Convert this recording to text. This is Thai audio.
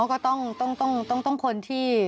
อ๋อก็ต้องคนที่